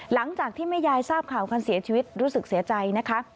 หลังจากที่แม่ยายทราบข่าวการเสียชีวิตรู้สึกเสียใจนะคะ